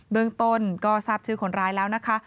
เรื่องต้นก็ทราบชื่อคนร้ายแล้วนะคะ